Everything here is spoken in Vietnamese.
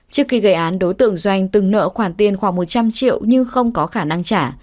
trước khi gây án đối tượng doanh từng nợ khoản tiền khoảng một trăm linh triệu nhưng không có khả năng trả